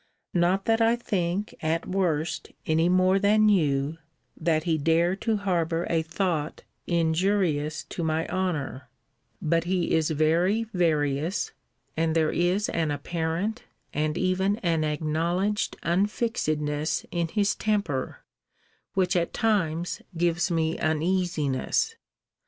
Not that I think, at worst, any more than you, that he dare to harbour a thought injurious to my honour: but he is very various, and there is an apparent, and even an acknowledged unfixedness in his temper, which at times gives me uneasiness.